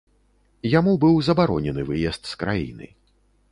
Яму быў забаронены выезд з краіны.